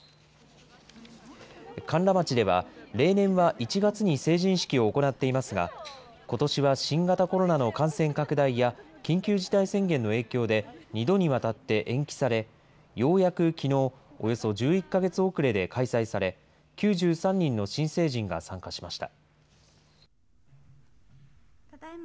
甘楽町では、例年は１月に成人式を行っていますが、ことしは新型コロナの感染拡大や、緊急事態宣言の影響で、２度にわたって延期され、ようやくきのう、およそ１１か月遅れで開催され、９３人の新成人が参加しました。